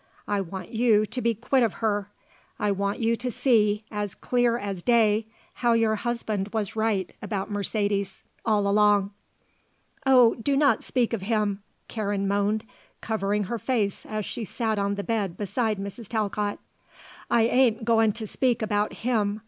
I want you to be quit of her. I want you to see, as clear as day, how your husband was right about Mercedes, all along." "Oh, do not speak of him " Karen moaned, covering her face as she sat on the bed beside Mrs. Talcott. "I ain't going to speak about him.